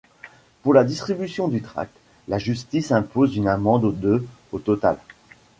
Pour la distribution du tract, la justice impose une amende de au total.